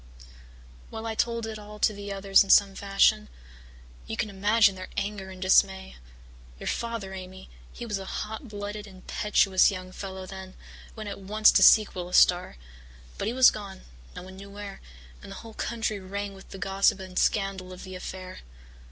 "Well, I told it all to the others in some fashion. You can imagine their anger and dismay. Your father, Amy he was a hot blooded, impetuous, young fellow then went at once to seek Willis Starr. But he was gone, no one knew where, and the whole country rang with the gossip and scandal of the affair.